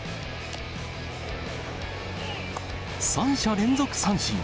３者連続三振。